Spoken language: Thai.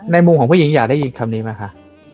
มุมของผู้หญิงอยากได้ยินคำนี้ไหมคะ